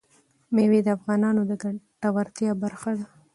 مېوې د افغانانو د ګټورتیا برخه ده.